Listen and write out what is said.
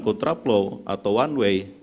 kontraplow atau one way